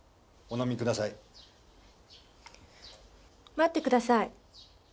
待ってください。